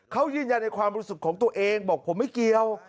เขายืนยันในความรู้สึกของตัวเองบอกผมไม่เกี่ยว